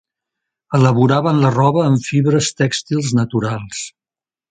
Elaboraven la roba amb fibres tèxtils naturals.